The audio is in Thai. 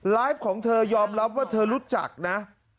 ไลฟ์ของเธอยอมรับว่าเธอรู้จักนะ